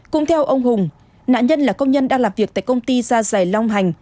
cũng theo ông hùng nạn nhân là công nhân đang làm việc tại công ty gia dày long hành